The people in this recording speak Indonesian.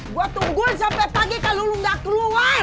gua tungguin sampe kaget kalo lo gak keluar